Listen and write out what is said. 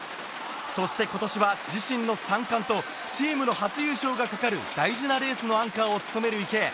そして今年は自身の３冠とチームの初優勝がかかる大事なレースのアンカーを務める池江。